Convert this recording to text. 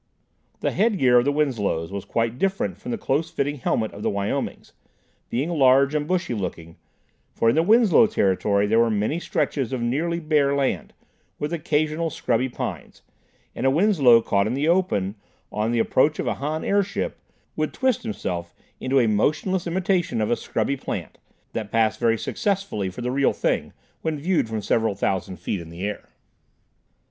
The headgear of the Winslows was quite different from the close fitting helmet of the Wyomings, being large and bushy looking, for in the Winslow territory there were many stretches of nearly bare land, with occasional scrubby pines, and a Winslow caught in the open, on the approach of a Han airship, would twist himself into a motionless imitation of a scrubby plant, that passed very successfully for the real thing, when viewed from several thousand feet in the air.